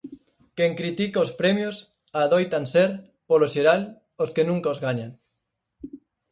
Quen critica os premios adoitan ser, polo xeral, os que nunca os gañan.